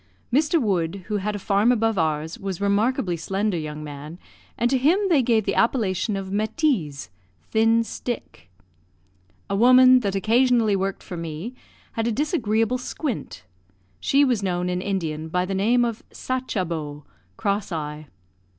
Mr. Wood, who had a farm above ours, was a remarkably slender young man, and to him they gave the appellation of Metiz, "thin stick." A woman, that occasionally worked for me, had a disagreeable squint; she was known in Indian by the name of Sachabo, "cross eye."